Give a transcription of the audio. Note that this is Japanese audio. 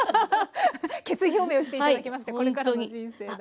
決意表明をして頂きましてこれからの人生の。